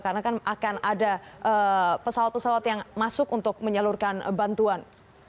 karena kan akan ada pesawat pesawat yang masuk untuk menyalurkan bantuan